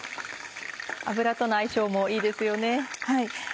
油との相性もいいですよね。